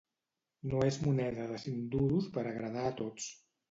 No és moneda de cinc duros per agradar a tots.